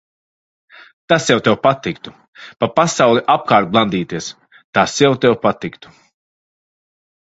Tas jau tev patiktu. Pa pasauli apkārt blandīties, tas jau tev patiktu.